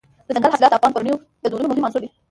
دځنګل حاصلات د افغان کورنیو د دودونو مهم عنصر دی.